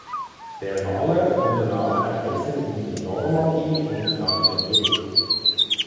Der Maler unternahm Reisen in die Normandie und nach Venedig.